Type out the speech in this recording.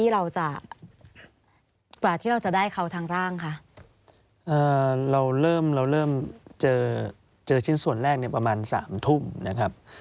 เราเริ่มเจอชิ้นส่วนแรกประมาณสามทุ่มนะครับ